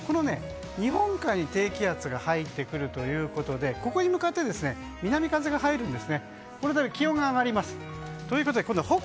日本海に低気圧が入ってくるということでここに向かって南風が入るんです。